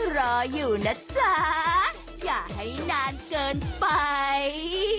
รออยู่นะจ๊ะอย่าให้นานเกินไป